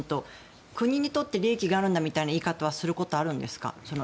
国にとって利益があるんだみたいなことをいうことはあるんですか。